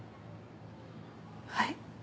はい